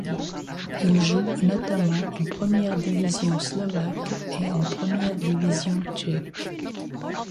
Il joue notamment en première division slovaque et en première division tchèque.